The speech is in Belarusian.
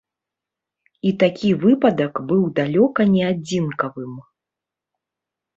І такі выпадак быў далёка не адзінкавым.